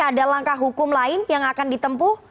ada langkah hukum lain yang akan ditempuh